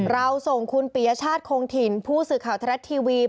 เราส่งคุณปียชาติคงถิ่นผู้สื่อข่าวทรัฐทีวี